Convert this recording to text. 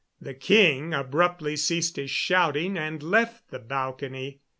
The king abruptly ceased his shouting and left the balcony.